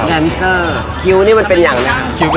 แนนเซอร์คิ้วนี่มันเป็นอย่างดัง